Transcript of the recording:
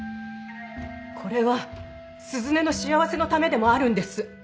これは鈴音の幸せのためでもあるんです。